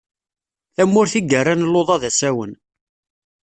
Tamurt i yerran luḍa d asawen.